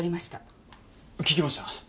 聞きました。